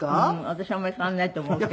私はあんまり変わらないと思うけど。